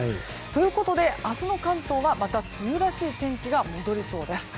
ということで明日の関東はまた梅雨らしい天気が戻りそうです。